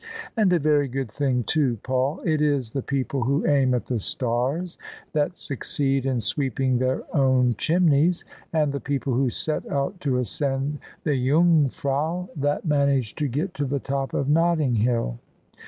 " And a very good thing, too, Paul ! It is the people who aim at the stars that succeed in sweeping their own chinmeys : and the people who set out to ascend the Jungfrau, that manage to get to the top of Notting Hill.